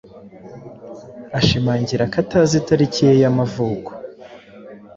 ashimangira ko atazi itariki ye y’amavuko.